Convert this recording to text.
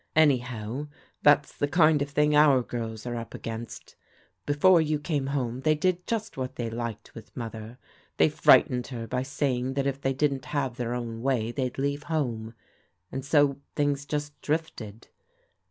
Anyhow, that's the kind of thing our girls are up against. Before you came home they did just what they liked with Mother. They frightened her by saying that if they didn't have their own way they'd leave home, and so things just drifted.